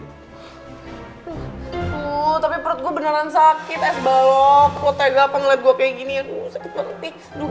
tuh tapi perut gue beneran sakit es balok kotega pengeliat gue kayak gini aduh sakit banget